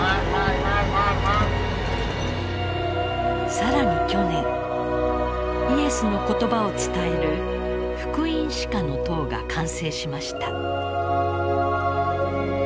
更に去年イエスの言葉を伝える福音史家の塔が完成しました。